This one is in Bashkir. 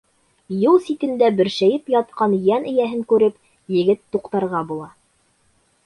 Юл ситендә бөршәйеп ятҡан йән эйәһен күреп, егет туҡтарға була.